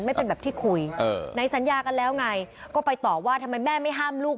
ไม่เป็นแบบที่คุยไหนสัญญากันแล้วไงก็ไปตอบว่าทำไมแม่ไม่ห้ามลูก